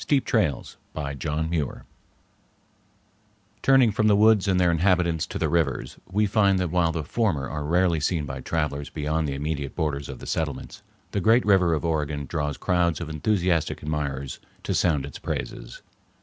XXIII. The Rivers of Oregon Turning from the woods and their inhabitants to the rivers, we find that while the former are rarely seen by travelers beyond the immediate borders of the settlements, the great river of Oregon draws crowds of enthusiastic admirers to sound its praises.